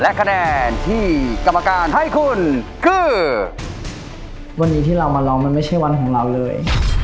วันนี้ที่เรามารอมันไม่ใช่วันของเราเลย